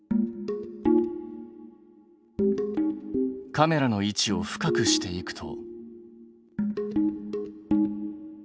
カメラの位置を深くしていくと。